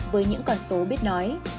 với những con số biết nói